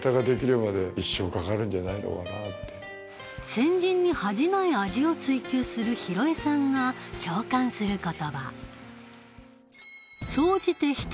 先人に恥じない味を追求する廣江さんが共感する言葉